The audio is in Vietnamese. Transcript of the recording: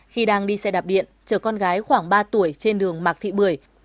khi đang đi xe đạp điện chở con gái khoảng ba tuổi trên đường mạc thị bưởi